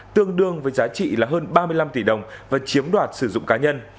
tương đương với giá trị là hơn ba mươi năm tỷ đồng và chiếm đoạt sử dụng cá nhân